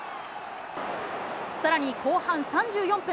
さらに後半３４分。